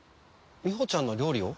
みほちゃんの料理を？